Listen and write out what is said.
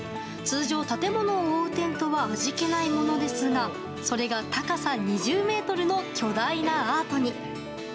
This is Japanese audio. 通常、建物を覆うテントは味気ないものですがそれが、高さ２０ｍの巨大なアートに。